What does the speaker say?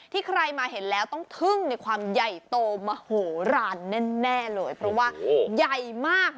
ใครมาเห็นแล้วต้องทึ่งในความใหญ่โตมโหลานแน่เลยเพราะว่าใหญ่มาก